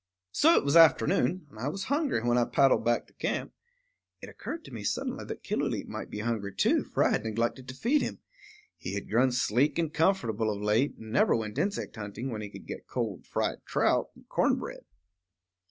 So it was afternoon, and I was hungry, when I paddled back to camp. It occurred to me suddenly that Killooleet might be hungry too; for I had neglected to feed him. He had grown sleek and comfortable of late, and never went insect hunting when he could get cold fried trout and corn bread.